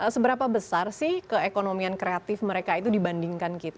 seberapa besar sih keekonomian kreatif mereka itu dibandingkan kita